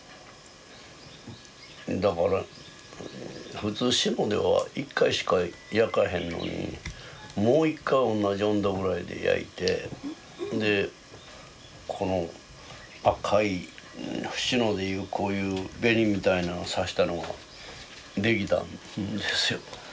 だから普通志野では１回しか焼かへんのにもう一回同じ温度ぐらいで焼いてでこの赤い志野でいうこういう紅みたいのをさしたのが出来たんですよ。